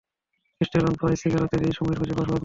Crystal on ice, cigar, রাতের এই সময়ে খুঁজে পাওয়া সহজ নয়।